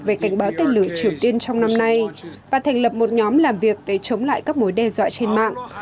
về cảnh báo tên lửa triều tiên trong năm nay và thành lập một nhóm làm việc để chống lại các mối đe dọa trên mạng